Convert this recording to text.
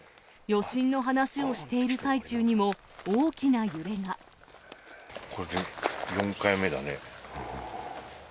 余震の話をしている最中にも、これで４回目だね。